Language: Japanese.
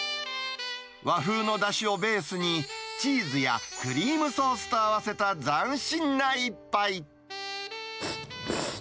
和風のだしをベースに、チーズやクリームソースと合わせた斬新な一杯。